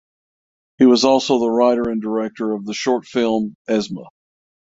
He was also the writer and director of the short film "Esma".